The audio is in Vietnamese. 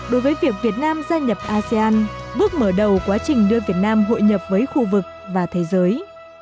đối với việc việt nam gia nhập asean bước mở đầu quá trình đưa việt nam hội nhập với khu vực và thế giới